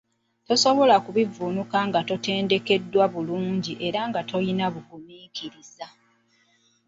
Tosobola kubivvuunuka nga totendekeddwa bulungi era nga toli mugumiikiriza.